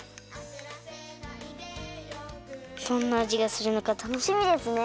どんなあじがするのかたのしみですね。